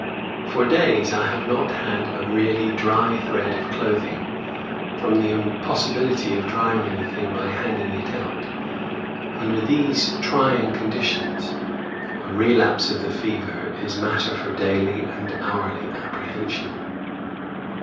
For days I have not had a really dry thread of clothing, from the impossibility of drying anything by hanging it out. Under these trying conditions, a relapse of the fever is matter for daily and hourly apprehension.